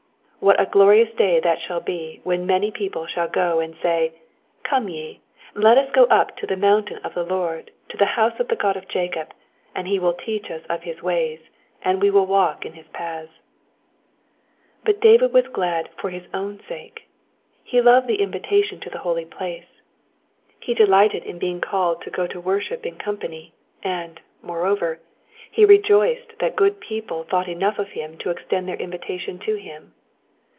What a glorious day shall that be when many people shall go and say, Come ye, and let us go up to the mountain of the Lord, to the house of the God of Jacob, and he will teach us of his ways, and we will walk in his paths." But David was glad for his men sake: he loved the invitation to the holy place, he delighted in being called Digitized by VjOOQIC PSALM OKE HUNDRED AND TWENTY TWO. 429 to go to worship in company, and, moreover, he rejoiced that good people thought enough of him to extend their invitation to him.